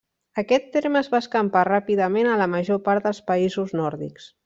Aquest terme es va escampar ràpidament a la major part dels països nòrdics.